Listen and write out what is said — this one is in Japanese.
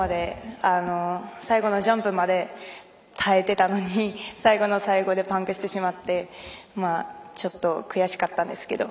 最後のジャンプまで耐えてたのに最後の最後でパンクしてしまってちょっと、悔しかったんですけど。